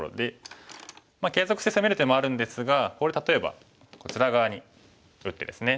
継続して攻める手もあるんですがここで例えばこちら側に打ってですね。